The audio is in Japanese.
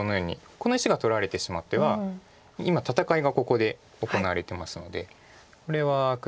この石が取られてしまっては今戦いがここで行われてますのでこれは黒が。